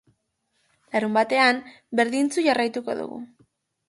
Larunbatean, berdintsu jarraituko dugu.